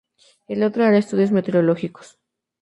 El otro hará estudios meteorológicos.